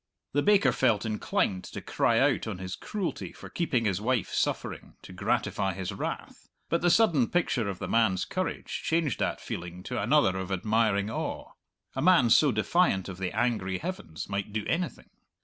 The baker felt inclined to cry out on his cruelty for keeping his wife suffering to gratify his wrath; but the sudden picture of the man's courage changed that feeling to another of admiring awe: a man so defiant of the angry heavens might do anything.